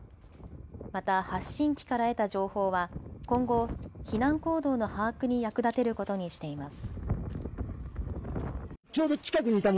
また発信機から得た情報は今後、避難行動の把握に役立てることにしています。